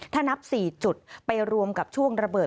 ถ้านับ๔จุดไปรวมกับช่วงระเบิด